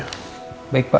terima kasih pak